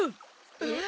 えっ！？